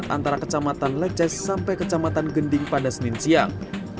antara kecamatan leces sampai kecamatan gending pada senin siang